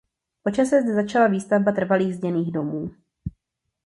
Po čase zde začala výstavba trvalých zděných domů.